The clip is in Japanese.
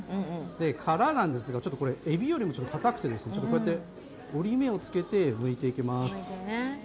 殻なんですが、えびよりもかたくてこうやって折り目をつけてむいていきます。